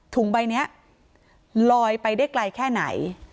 ใบนี้ลอยไปได้ไกลแค่ไหน